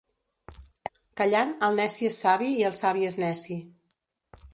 Callant, el neci és savi i el savi és neci.